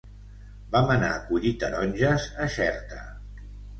Vam anar a collir taronges a Xerta.